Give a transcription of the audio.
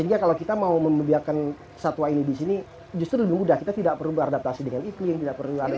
jadi kita mau membiarkan satwa ini di sini justru lebih mudah kita tidak perlu beradaptasi dengan iklim tidak perlu ada